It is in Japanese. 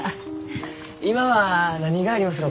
今は何がありますろうか？